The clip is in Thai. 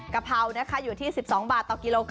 กะเพราอยู่ที่๑๒บาทต่อกก